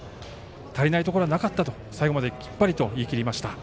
足りないところはなかったときっぱりと言い切りました。